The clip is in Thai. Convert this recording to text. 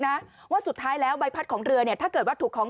นะว่าสุดท้ายแล้วใบพัดของเรือเนี่ยถ้าเกิดว่าถูกของ